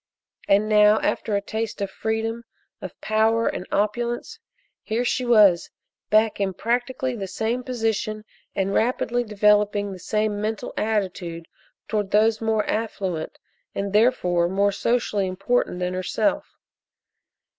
And now after a taste of freedom, of power and opulence, here she was back in practically the same position and rapidly developing the same mental attitude towards those more affluent and, therefore, more socially important than herself.